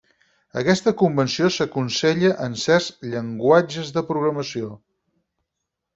Aquesta convenció s'aconsella en certs llenguatges de programació.